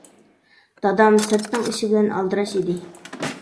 دادام سىرتنىڭ ئىشى بىلەن ئالدىراش ئىدى.